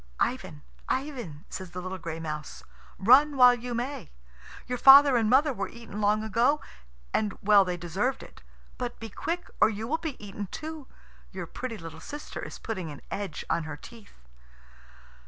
"Ivan, Ivan," says the little gray mouse, "run while you may. Your father and mother were eaten long ago, and well they deserved it. But be quick, or you will be eaten too. Your pretty little sister is putting an edge on her teeth!"